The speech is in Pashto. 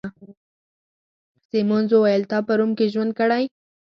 سیمونز وویل: تا په روم کي ژوند کړی؟